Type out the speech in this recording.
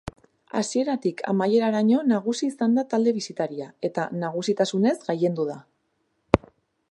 Hasieratik amaieraraino nagusi izan da talde bisitaria eta nagusitasunez gailendu da.